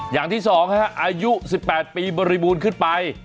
อย่างที่๒อายุ๑๘ปีบริบูรณ์ขึ้นไป